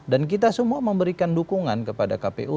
dan kita semua memberikan dukungan kepada kpu